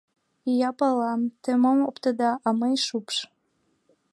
Ия пала, те мом оптеда, а мый — шупш?